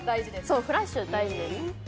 そうフラッシュ大事です